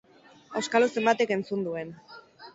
Auskalo zenbatek entzun duen!